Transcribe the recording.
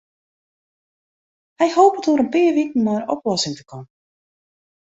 Hy hopet oer in pear wiken mei in oplossing te kommen.